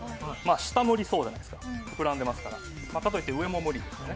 下は無理そうじゃないですか、膨らんでるから、かといって上も無理ですよね？